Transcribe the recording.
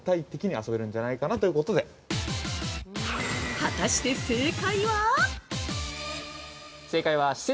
果たして、正解は！？